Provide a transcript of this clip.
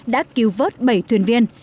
đã cứu vớt bảy thuyền viên